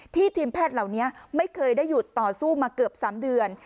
ทีมแพทย์เหล่านี้ไม่เคยได้หยุดต่อสู้มาเกือบ๓เดือน